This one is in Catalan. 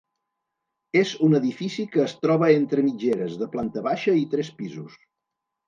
És un edifici que es troba entre mitgeres, de planta baixa i tres pisos.